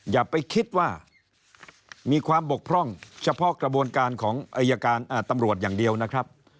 อย่าไปคิดว่ามีความบกพร่องเฉพาะกระบวนการของอายการตำรวจอย่างเดียวนะครับ